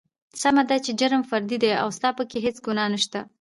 سمه ده چې جرم فردي دى او ستا پکې هېڅ ګنا نشته.